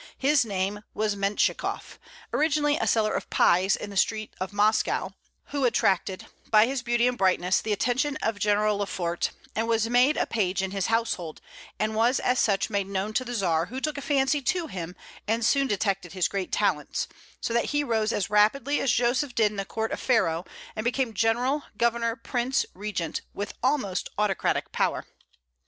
His name was Mentchikof, originally a seller of pies in the streets of Moscow, who attracted, by his beauty and brightness, the attention of General Lefort, and was made a page in his household, and was as such made known to the Czar, who took a fancy to him, and soon detected his great talents; so that he rose as rapidly as Joseph did in the court of Pharaoh, and became general, governor, prince, regent, with almost autocratic power.